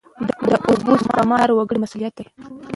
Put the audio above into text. د اوبو سپما د هر وګړي مسوولیت دی.